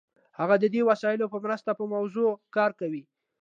هغه د دې وسایلو په مرسته په موضوع کار کوي.